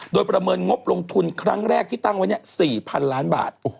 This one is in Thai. โดยประเมินงบลงทุนครั้งแรกที่ตั้งไว้๔๐๐๐ล้านบาท